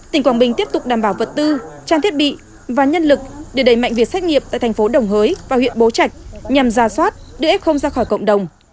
tỉnh quảng bình tiếp tục đảm bảo vật tư trang thiết bị và nhân lực để đẩy mạnh việc xét nghiệm tại thành phố đồng hới và huyện bố trạch nhằm ra soát đưa f ra khỏi cộng đồng